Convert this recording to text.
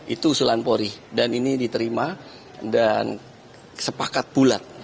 itu usulan polri dan ini diterima dan sepakat pula